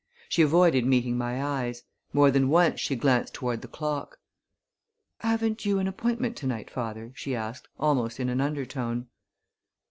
She avoided meeting my eyes. More than once she glanced toward the clock. "Haven't you an appointment to night, father?" she asked, almost in an undertone.